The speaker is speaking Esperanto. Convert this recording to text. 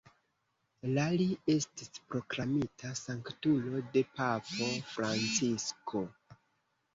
La li estis proklamita sanktulo de papo Francisko.